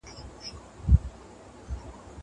موږ د ونو لاندې خپلې خیمې ودرولې.